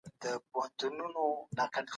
په دغه کوټې کي هیڅ رڼا نسته.